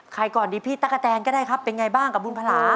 ก่อนดีพี่ตั๊กกะแตนก็ได้ครับเป็นไงบ้างกับบุญพลา